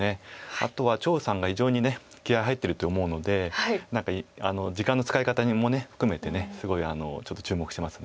あとは張栩さんが非常に気合い入ってると思うので何か時間の使い方も含めてすごいちょっと注目してます。